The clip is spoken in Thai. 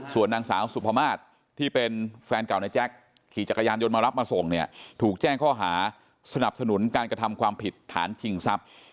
ส่วนนางสาวสุภามาศที่เป็นแฟนเก่าในแจ็คขี่จักรยานยนต์มารับมาส่งเนี่ยถูกแจ้งข้อหาสนับสนุนการกระทำความผิดฐานชิงทรัพย์